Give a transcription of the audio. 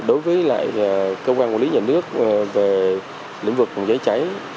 đối với lại cơ quan quản lý nhà nước về lĩnh vực dây cháy